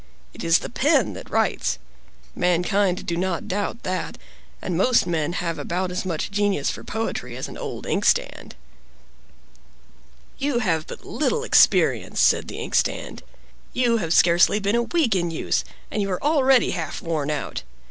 It is the pen that writes. Mankind do not doubt that; and most men have about as much genius for poetry as an old inkstand." "You have but little experience," said the ink stand. "You have scarcely been a week in use, and you are already half worn out.